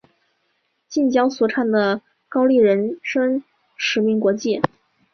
近郊所产的高丽人参驰名国际。